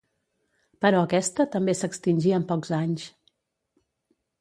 Però aquesta també s'extingí en pocs anys.